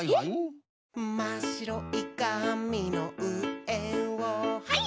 「まっしろいかみのうえをハイ！」